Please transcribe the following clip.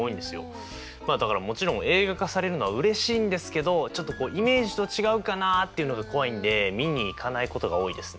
だからもちろん映画化されるのはうれしいんですけどちょっとイメージと違うかなっていうのが怖いんでみに行かないことが多いですね。